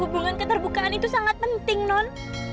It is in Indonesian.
perbukaan itu sangat penting non